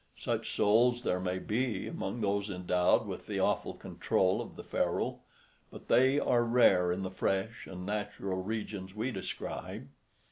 Such souls there may be, among those endowed with the awful control of the ferule, but they are rare in the fresh and natural regions we describe.